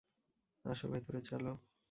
আসো, ভেতরে চলো।